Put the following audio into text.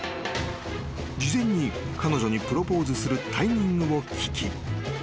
［事前に彼女にプロポーズするタイミングを聞き］